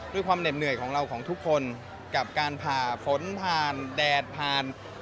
เหน็ดเหนื่อยของเราของทุกคนกับการผ่าฝนผ่านแดดผ่าน